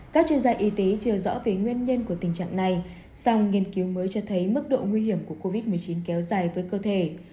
các chuyên gia y tế chưa rõ về nguyên nhân của tình trạng này song nghiên cứu mới cho thấy mức độ nguy hiểm của covid một mươi chín kéo dài với cơ thể